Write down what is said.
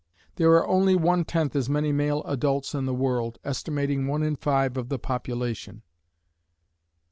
There are only one tenth as many male adults in the world, estimating one in five of the population.